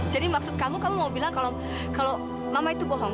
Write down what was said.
jadi maksud kamu kamu mau bilang kalau mama itu bohong